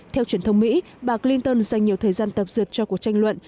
theo truyền thông mỹ bà clinton dành nhiều thời gian tập dượt cho cuộc tranh luận